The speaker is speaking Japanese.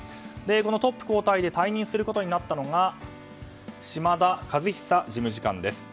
トップ交代で退任することになったのが島田和久事務次官です。